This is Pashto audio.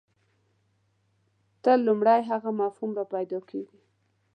تل لومړی هغه مفهوم راپیدا کېږي.